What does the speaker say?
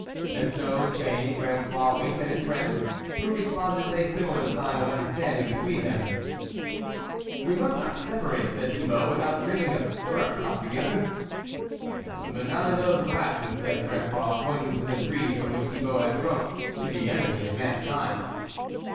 And so saying, Frangois winked at his friend, who re sponded with a similar sign of under standing between them. " We must not separate," said Thibault, 41 without drinking a stirrup cup together." "But not in those glasses," said Fran9ois, pointing to the three from which Thibault had drunk to the enemy of mankind.